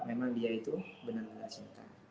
memang dia itu benar benar menghasilkan